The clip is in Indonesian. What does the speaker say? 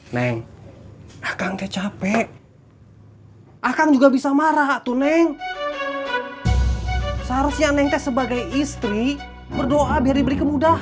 neng akang kecapek akang juga bisa marah tuh neng seharusnya neng te sebagai istri berdoa beri beri